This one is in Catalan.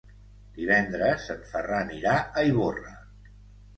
Divendres en Ferran irà a Ivorra.